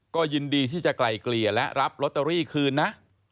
ก็ยินดีที่จะไกลเกลี่ยและรับลอตเตอรี่คืนนะ